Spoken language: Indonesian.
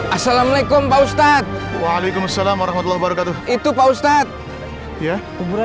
assalamualaikum pak ustadz waalaikumsalam warahmatullah wabarakatuh itu pak ustadz